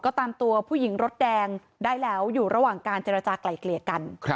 ก็ตามตัวผู้หญิงรถแดงได้แล้วอยู่ระหว่างการเจรจากลายเกลี่ยกัน